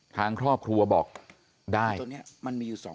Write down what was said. ทางครอบครัวบอกได้